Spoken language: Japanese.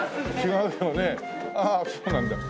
ああそうなんだ。